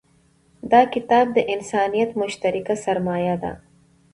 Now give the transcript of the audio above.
دا کتاب د انسانیت مشترکه سرمایه ده.